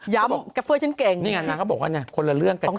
ย้ำเกฟเฟอร์ฉันเก่ง